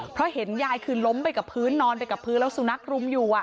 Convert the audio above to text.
เพราะเห็นยายคือล้มไปกับพื้นนอนไปกับพื้นแล้วสุนัขรุมอยู่